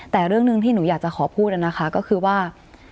แต่เรื่องหนึ่งที่หนูอยากจะขอพูดนะคะก็คือว่า